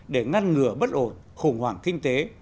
để ngăn ngừa bất ổn khủng hoảng kinh tế